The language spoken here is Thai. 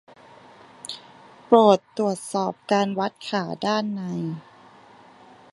โปรดตรวจสอบการวัดขาด้านใน